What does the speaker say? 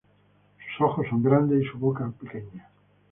Sus ojos son grandes y su boca pequeña.